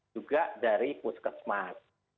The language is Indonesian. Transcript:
juga dari puskesmas